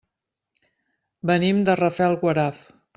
Venim de Rafelguaraf.